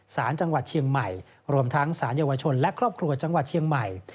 สารจังหวัดเชียงใหม่รวมทั้งสารเยาวชนและครอบครัวจังหวัดเชียงใหม่